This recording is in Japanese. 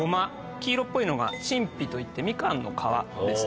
黄色っぽいのが陳皮といってみかんの皮です。